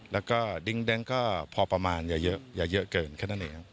แล้วก็ดิ้งก็พอประมาณอย่าเยอะเกินแค่นั้นเองครับ